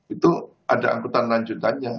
itu ada angkutan lanjutannya